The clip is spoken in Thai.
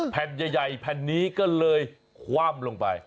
แผ่นใหญ่แผ่นนี้ก็เลยคว่ำลงไป